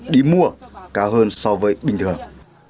đi mua cao hơn so với bình thường